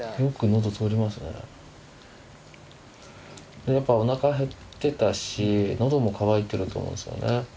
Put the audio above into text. でやっぱお腹へってたし喉も渇いてると思うんですよね。